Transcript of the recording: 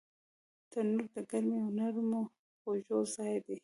تنور د ګرمۍ او نرمو خوړو ځای دی